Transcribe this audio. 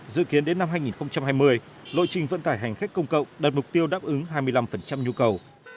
dự kiến đến năm hai nghìn hai mươi lộ trình vận tải hành khách công cộng đạt mục tiêu đáp ứng hai mươi năm nhu cầu